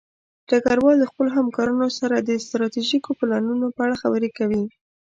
ډګروال د خپلو همکارانو سره د ستراتیژیکو پلانونو په اړه خبرې کوي.